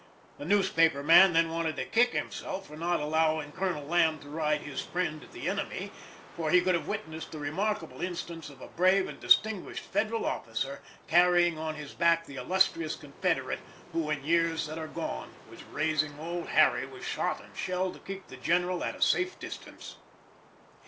The newspaper man then wanted to kick himself for not allowing Colonel Lamb to ride his "friend the enemy," for he could have witnessed the remarkable instance of a brave and distinguished Federal officer carrying on his back the illustrious Confederate who, in years that are gone, was raising old Harry with shot and shell to keep the General at a safe distance.